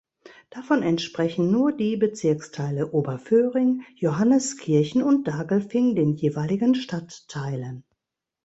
Davon entsprechen nur die Bezirksteile Oberföhring, Johanneskirchen und Daglfing den jeweiligen Stadtteilen.